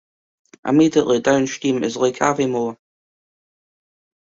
Immediately downstream is Lake Aviemore.